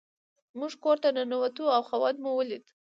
موږ کور ته ننوتو او خاوند مو ولید.